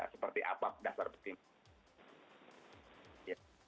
seperti apa dasar pertimbangan